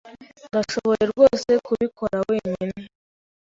Ndashoboye rwose kubikora wenyine.